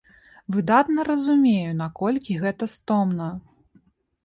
Выдатна разумею, наколькі гэта стомна.